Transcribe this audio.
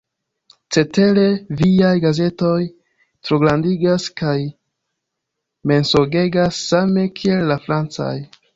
Cetere viaj gazetoj trograndigas kaj mensogegas same kiel la francaj.